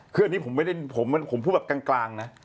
คืออันนี้ผมไม่ได้ผมพูดแบบกลางนะ